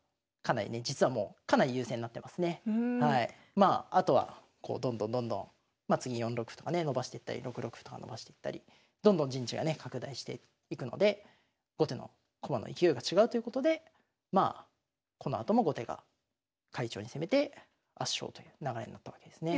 まああとはこうどんどんどんどんまあ次４六歩とかね伸ばしていったり６六歩とか伸ばしていったりどんどん陣地がね拡大していくので後手の駒の勢いが違うということでこのあとも後手が快調に攻めて圧勝という流れになったわけですね。